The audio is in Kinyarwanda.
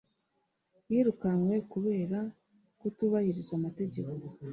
yirukanywe kubera kutubahiriza amategeko.